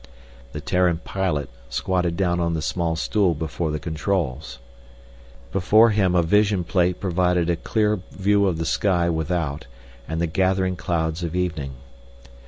The Terran pilot squatted down on the small stool before the controls. Before him a visa plate provided a clear view of the sky without and the gathering clouds of evening.